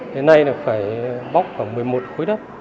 hiện nay là phải bóc khoảng một mươi một khối đất